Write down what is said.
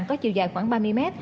có chiều dài khoảng ba mươi m